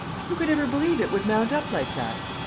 Who could ever believe it would mount up like that?